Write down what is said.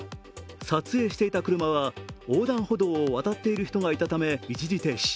撮影していた車は横断歩道を渡っている人がいたため一時停止。